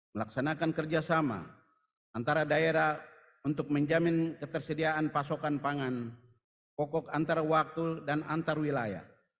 melaksanakan kerjasama antara daerah untuk menjamin ketersediaan pasokan pangan pokok antar waktu dan antar wilayah